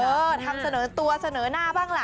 ทำเสนอตัวเสนอหน้าบ้างล่ะ